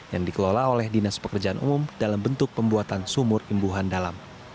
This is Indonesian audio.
yang dikelola oleh dinas pekerjaan umum dalam bentuk pembuatan sumur imbuhan dalam